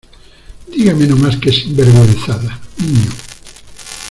¡ dígame no más que sinvergüenzada, niño!...